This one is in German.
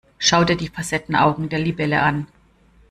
Schau dir die Facettenaugen der Libelle an.